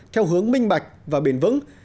theo hướng minh bạch và bền vững